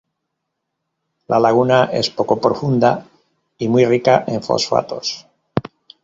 La laguna es poco profunda y muy rica en fosfatos.